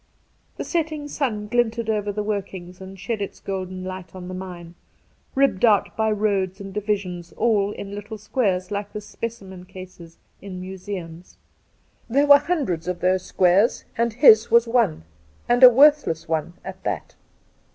The setting sun glinted over the workings and shed its golden light on the mine, ribbed out by roads and divisions, all in little squares like the specimen cases in museums. There were hundreds of those squares, and his was one, and a worthless > one at that.